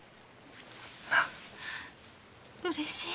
うれしい。